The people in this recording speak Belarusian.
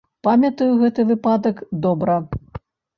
Памятаю гэты выпадак добра.